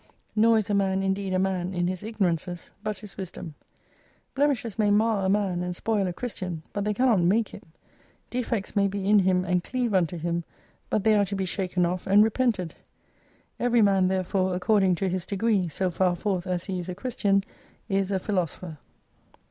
Nor is a man indeed a man in his ignorances, but his wisdom. Blemishes may mar a man, and spoil a Christian, but they cannot make him. Defects may be in him and cleave unto him, but they are to be shaken off and re pented. Every man therefore according to his degree, so far forth as he is a Christian, is a Philosopher.